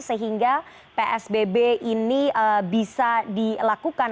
sehingga psbb ini bisa dilakukan